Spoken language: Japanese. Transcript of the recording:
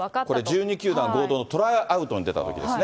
これ１２球団合同のトライアウトに出たときですね。